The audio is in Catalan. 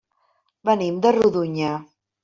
Venim de Rodonyà.